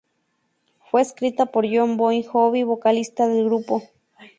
Fue escrita por Jon Bon Jovi, vocalista del grupo.